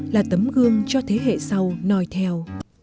là tấm gương cho thế hệ sau nòi theo